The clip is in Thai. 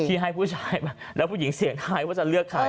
ให้ผู้ชายมาแล้วผู้หญิงเสียงท้ายว่าจะเลือกใคร